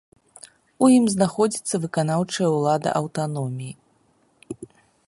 У ім знаходзіцца выканаўчая ўлада аўтаноміі.